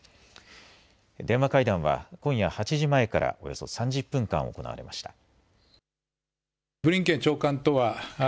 電話会談は今夜８時前からおよそ３０分間行われました。